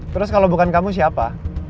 terus kalau bukan kamu siapa